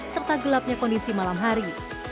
serta gelapnya kondisi malam hari